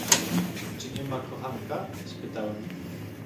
Czy niema kochanka? — spytałem.